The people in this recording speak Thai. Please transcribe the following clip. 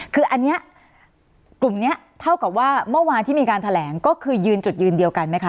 คืออันนี้กลุ่มนี้เท่ากับว่าเมื่อวานที่มีการแถลงก็คือยืนจุดยืนเดียวกันไหมคะ